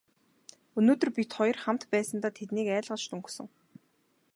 Өнөөдөр бид хоёр хамт байсандаа тэднийг айлгаж дөнгөсөн.